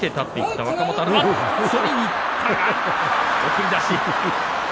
送り出し。